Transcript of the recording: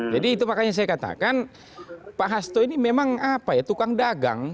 jadi itu makanya saya katakan pak hasto ini memang apa ya tukang dagang